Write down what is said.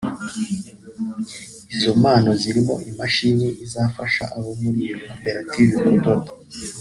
Izo mpano zirimo imashini izafasha abo muri iyo koperative kudoda